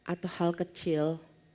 atau hal kecil